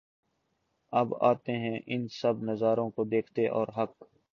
اب آتے ہیں ان سب نظاروں کو دیکھتے اور حق